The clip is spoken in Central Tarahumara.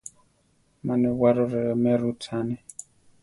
Má newaro remé rutzane.